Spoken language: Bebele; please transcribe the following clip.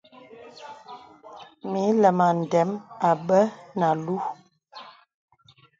Mə ilɛmaŋ ndə̀m àbə̀ nə alúú.